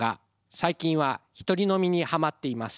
最近は一人飲みにハマっています。